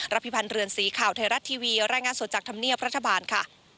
พิพันธ์เรือนสีข่าวไทยรัฐทีวีรายงานสดจากธรรมเนียบรัฐบาลค่ะ